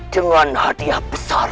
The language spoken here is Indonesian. dengan hadiah besar